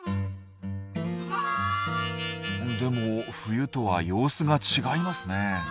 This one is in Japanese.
でも冬とは様子が違いますね。